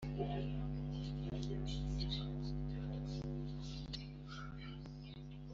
kuko ari icyo kurimburwa